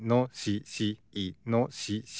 いのしし。